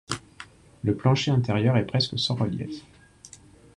Le plancher intérieur est presque sans relief.